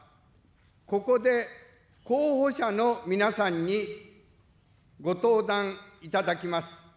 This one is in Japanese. ここで候補者の皆さんにご登壇いただきます。